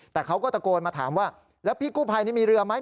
แต่เขาก็ตะโกนมาถามว่าแล้วพี่กู้ภัยนี่มีเรือไหม